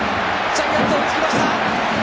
ジャイアンツ、追いつきました！